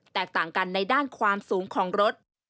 แตกต่างกันในด้านความสูงของรถ